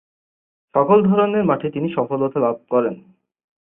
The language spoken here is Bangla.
সকল ধরনের মাঠে তিনি সফলতা লাভ করেন।